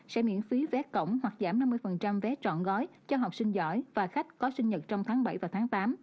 sẽ miễn phí vé cổng hoặc giảm năm mươi vé trọn gói cho học sinh giỏi và khách có sinh nhật trong tháng bảy và tháng tám